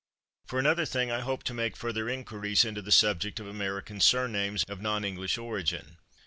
For another thing, I hope to make further inquiries into the subject of American surnames of non English origin.